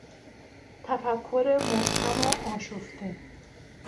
تفکر مبهم و آشفته